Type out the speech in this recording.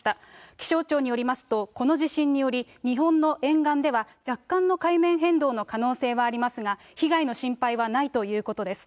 気象庁によりますと、この地震により日本の沿岸では、若干の海面変動の可能性がありますが、被害の心配はないということです。